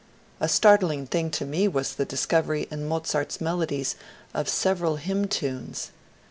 A startling thing to me was the discovery in Mozart's melodies of several hymn tunes.